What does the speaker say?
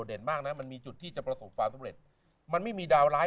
เด่นมากนะมันมีจุดที่จะประสบฟันสุดเหล็ดมันไม่มีดาวร้าย